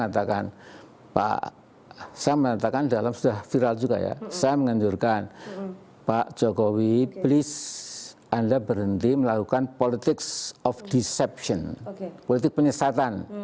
jadi begini saya mengatakan dalam sudah viral juga ya saya mengajurkan pak jokowi please anda berhenti melakukan politics of deception politik penyesatan